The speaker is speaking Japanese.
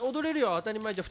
当たり前じゃん。